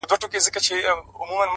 هڅاند ذهن نوې لارې مومي